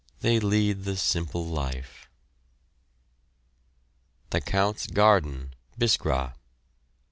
They lead the simple life. THE COUNT'S GARDEN, BISKRA.